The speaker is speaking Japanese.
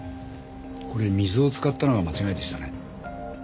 これ水を使ったのが間違いでしたね。